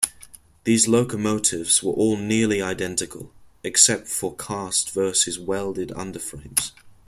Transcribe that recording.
These locomotives were all nearly identical, except for cast versus welded underframes.